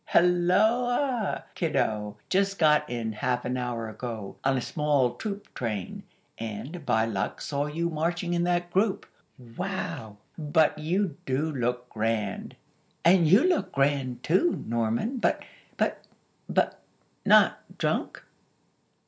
_" "Hulloa, kiddo! Just got in, half an hour ago, on a small troop train; and, by luck, saw you marching in that group. Wow!! But you do look grand!" "And you look grand, too, Norman; but but but not drunk?"